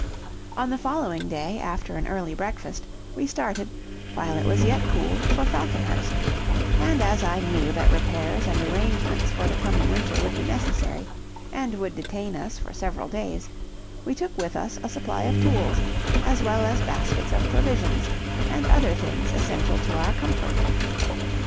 On the following day, after an early breakfast, we started, while it was yet cool, for Falconhurst; and as I knew that repairs and arrangements for the coming winter would be necessary, and would detain us for several days, we took with us a supply of tools, as well as baskets of provisions, and other things essential to our comfort.